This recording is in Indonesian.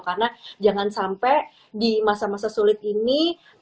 karena jangan sampai di masa masa sulit ini